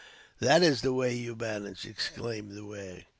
that is the way you manage!" exclaimed the wag.